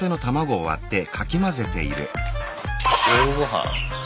夜ごはん？